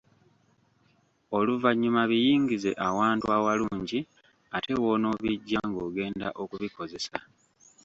Oluvannyuma biyingize awantu awalungi ate w‘onoobijja ng‘ogenda okubikozesa.